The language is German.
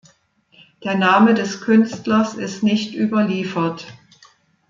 Der Name des Künstlers ist nicht überliefert.